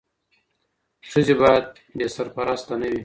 ښځي بايد بي سرپرسته نه وي.